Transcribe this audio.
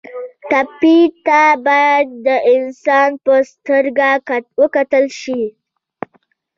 ټپي ته باید د انسان په سترګه وکتل شي.